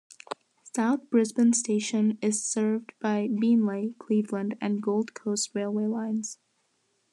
South Brisbane station is served by Beenleigh, Cleveland and Gold Coast railway lines.